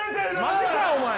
マジかお前。